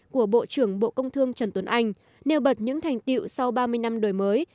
của bộ trưởng bộ công thương trần tuấn anh nêu bật những thành tiệu sau ba mươi năm đổi mới